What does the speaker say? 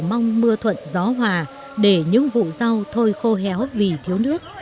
mong mưa thuận gió hòa để những vụ rau thôi khô héo vì thiếu nước